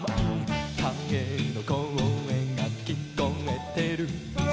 「かげのこえがきこえてる」